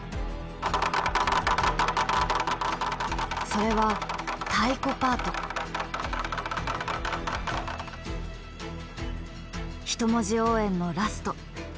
それは人文字応援のラスト